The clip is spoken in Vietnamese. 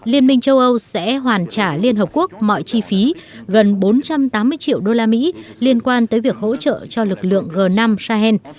liên minh châu âu sẽ hoàn trả liên hợp quốc mọi chi phí gần bốn trăm tám mươi triệu đô la mỹ liên quan tới việc hỗ trợ cho lực lượng g năm sahel